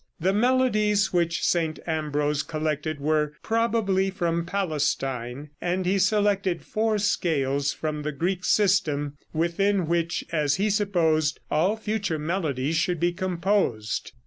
The melodies which St. Ambrose collected were probably from Palestine, and he selected four scales from the Greek system, within which, as he supposed, all future melodies should be composed.